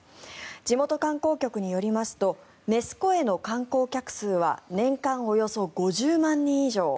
地元観光局によりますとネス湖への観光客数は年間およそ５０万人以上。